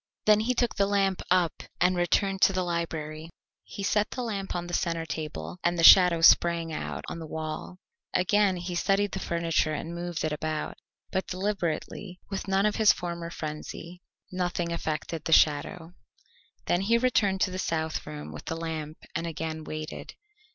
Then he took the lamp up and returned to the library. He set the lamp on the centre table, and the shadow sprang out on the wall. Again he studied the furniture and moved it about, but deliberately, with none of his former frenzy. Nothing affected the shadow. Then he returned to the south room with the lamp and again waited.